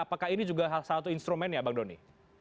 apakah ini juga salah satu instrumen ya bang doni